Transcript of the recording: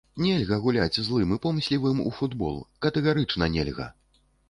Нельга гуляць злым і помслівым у футбол, катэгарычна нельга!